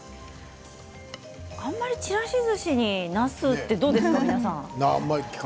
ちらしずしになすってどうですか？